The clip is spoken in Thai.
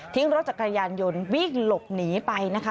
รถจักรยานยนต์วิ่งหลบหนีไปนะคะ